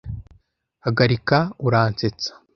Hagarika. Uransetsa.